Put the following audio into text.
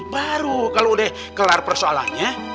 baru kalau udah kelar persoalannya